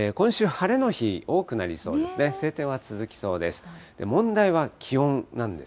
晴天は続きそうです。